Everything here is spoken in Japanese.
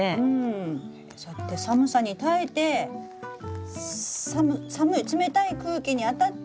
そうやって寒さに耐えてさむ寒い冷たい空気にあたって。